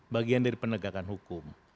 bagian dari penegakan hukum